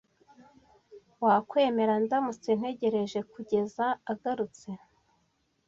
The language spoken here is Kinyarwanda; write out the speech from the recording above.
Wakwemera ndamutse ntegereje kugeza agarutse?